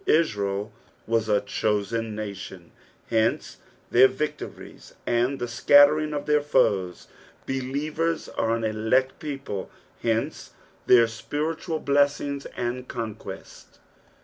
Israel was a chosen nation, hence their victories and the scuttering of their foes ; believers are an elect people, hence their spiritual blessings and conquests.